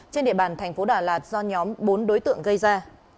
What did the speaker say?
trên địa bàn thành phố đà lạt do nhóm bốn đối tượng gây ra